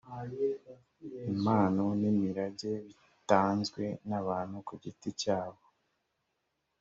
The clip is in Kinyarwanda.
impano n’imirage bitanzwe n’abantu ku giti cyabo